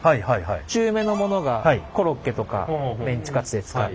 中めのものがコロッケとかメンチカツで使う。